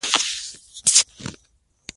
پولې اوس مانا نه لري.